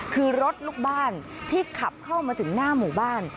คือรถลูกบ้านที่ขับเข้ามาถึงหน้าหมู่บ้าน